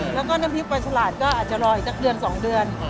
แล้วก็น้ำทิตย์ไว้สลายก็อาจจะรออีกจากเดือน๒เดือน